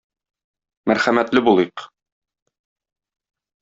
Мәрхәмәтле булыйк!